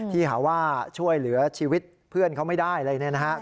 ที่หาว่าช่วยเหลือชีวิตเพื่อนเขาไม่ได้เลยนะครับ